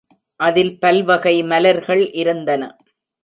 அதில் பல்வகை மலர்கள் இருந்தன.